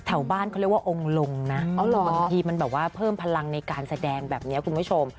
แถวบ้านเขาเรียกว่าองค์ลงนะบางทีมันแบบว่าเพิ่มพลังในการแสดงแบบนี้คุณผู้ชม